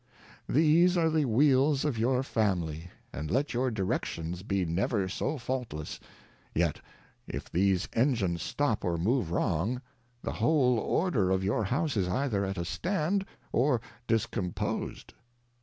These are the Wheels of your Family ; and let your Directions be never so faultless, yet if these Engines stop or move wrong, the whole Order of your House is either at a stand, or discomposed.